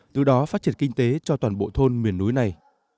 từ đó phát triển kinh tế cho toàn bộ thôn miền núi này